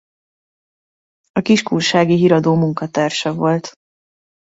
A Kis Kunsági Hiradó munkatársa volt.